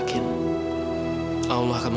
sini aku bantu